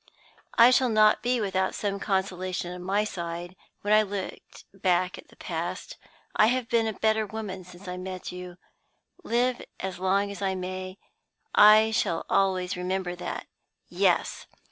"I shall not be without some consolation on my side, when I too look back at the past. I have been a better woman since I met with you. Live as long as I may, I shall always remember that. "Yes!